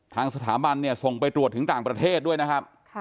ทางสถาบันเนี่ยส่งไปตรวจถึงต่างประเทศด้วยนะครับ